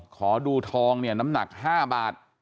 ขอดูทองเนี่ยน้ำหนัก๕บาท